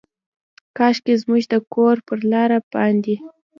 کاشکي زموږ د کور پر لاره باندې،